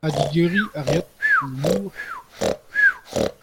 Ha digeriñ a reot an nor ?